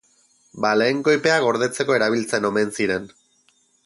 Baleen koipea gordetzeko erabiltzen omen ziren.